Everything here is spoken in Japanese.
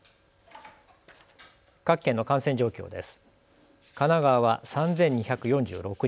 各県の感染状況です。